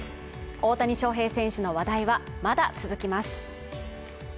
大谷翔平選手の話題は、まだ続きます。